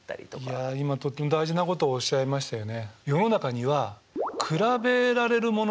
いや今とっても大事なことをおっしゃいましたよね。